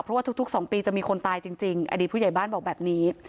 เพราะว่าทุก๒ปีจะมีคนตายจริงอดีตผู้ใหญ่บ้านบอกแบบนี้